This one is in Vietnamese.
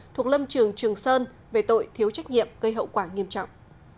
thuộc lâm trường trường sơn về tội thiếu trách nhiệm gây hậu quả nghiêm trọng